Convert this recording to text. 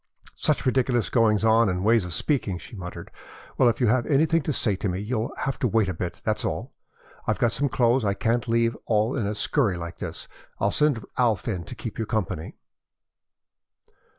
"Such ridiculous goings on and ways of speaking!" she muttered. "Well, if you've anything to say to me you'll have to wait a bit, that's all. I've got some clothes I can't leave all in a scurry like this. I'll send Alf in to keep you company."